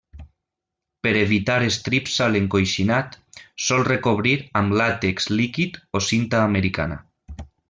Per evitar estrips a l'encoixinat, sol recobrir amb làtex líquid o cinta americana.